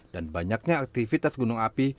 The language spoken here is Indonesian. dan banyaknya aktivitas gunung api